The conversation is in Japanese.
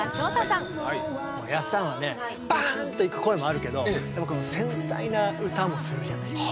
もうやっさんはねばんといく声もあるけどでもこの繊細な歌もするじゃないですか。